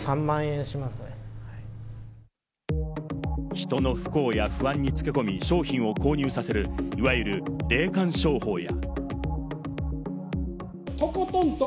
人の不幸や不安に付け込み、商品を購入させる、いわゆる霊感商法や。